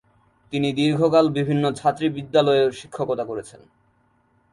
তিনি দীর্ঘকাল বিভিন্ন ছাত্রী বিদ্যালয়ে শিক্ষকতা করেছেন।